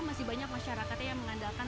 masih banyak masyarakatnya yang mengandalkan